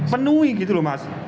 penuhi gitu lho mas